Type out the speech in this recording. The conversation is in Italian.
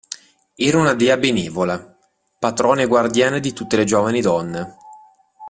Era una dea benevola, patrona e guardiana di tutte le giovani donne.